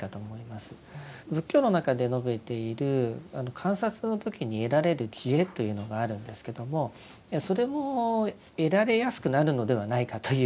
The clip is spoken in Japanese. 仏教の中で述べている観察の時に得られる智慧というのがあるんですけどもそれも得られやすくなるのではないかという気がいたします。